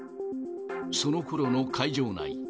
そのころの会場内。